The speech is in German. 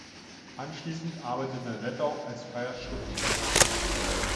Anschließend arbeitete Lettau als freier Schriftsteller.